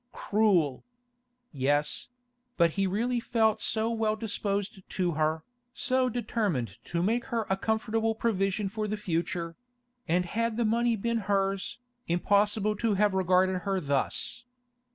Cruel! Yes; but he really felt so well disposed to her, so determined to make her a comfortable provision for the future; and had the money been hers, impossible to have regarded her thus.